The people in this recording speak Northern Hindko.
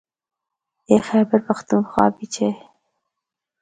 اے خیبر پختونخواہ بچ اے۔